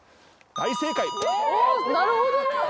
大正解